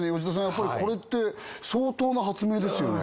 やっぱりこれって相当な発明ですよね？